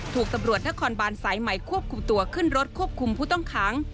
ถูกตำรวจนครบานสายใหม่ควบคุมตัวขึ้นรถควบคุมผู้ต้องขัง